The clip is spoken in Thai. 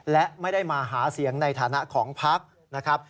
และไม่ได้มาหาเสียงในฐานะของภักดิ์